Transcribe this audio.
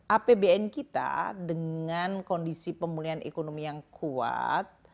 apbn kita dengan kondisi pemulihan ekonomi yang kuat